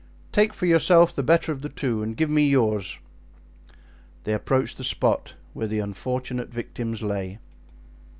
Take for yourself the better of the two and give me yours." They approached the spot where the unfortunate victims lay.